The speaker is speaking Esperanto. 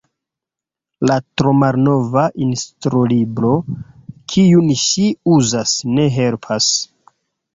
La tromalnova instrulibro, kiun ŝi uzas, ne helpas.